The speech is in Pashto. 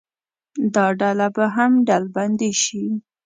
دا ډله به هم ډلبندي شي.